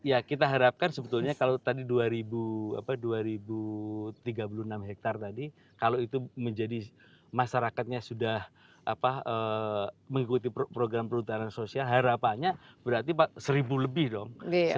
ya kita harapkan sebetulnya kalau tadi dua ribu tiga puluh enam hektare tadi kalau itu menjadi masyarakatnya sudah mengikuti program perhutanan sosial harapannya berarti seribu lebih dong